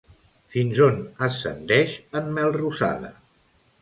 Fins on ascendeix en Melrosada?